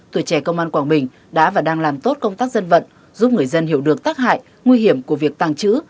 tuổi trẻ công an quảng bình đã và đang làm tốt công tác dân vận giúp người dân hiểu được tác hại nguy hiểm của việc tàng trữ